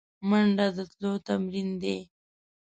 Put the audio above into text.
منډه د تلو تمرین دی